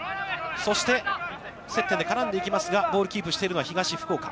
そして、接点で絡んでいきますが、ボールキープしているのは、東福岡。